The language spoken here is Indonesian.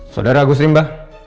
saudara agus limbah